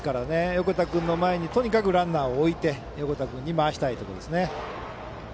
横田君の前にとにかくランナーを置いて打順を回したいところですね。